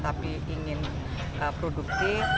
tapi ingin produktif